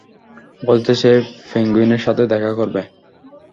বলছে সে পেঙ্গুইনের সাথে দেখা করবে।